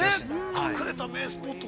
◆隠れた名スポット。